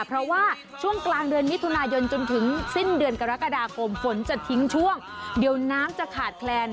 เพราะว่าช่วงกลางเดือนมิถุนายนจนถึงสิ้นเดือนกรกฎาคมฝนจะทิ้งช่วงเดี๋ยวน้ำจะขาดแคลน